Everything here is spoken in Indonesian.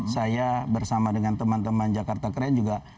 saya bersama dengan teman teman jakarta keren juga